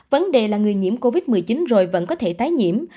vấn đề là người nhiễm covid một mươi chín rồi vẫn có thể tái nhiễm